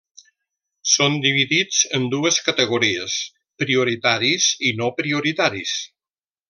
Són dividits en dues categories: prioritaris i no prioritaris.